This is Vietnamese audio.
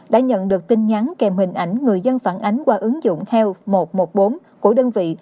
đã nhận được tin nhắn kèm hình ảnh người dân phản ánh qua ứng dụng heal một trăm một mươi bốn của đơn vị